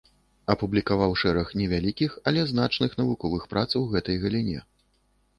Апублікаваў шэраг невялікіх, але значных навуковых прац у гэтай галіне.